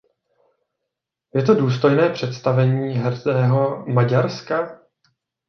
Je to důstojné představení hrdého Maďarska?